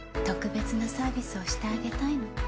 特別なサービスをしてあげたいの。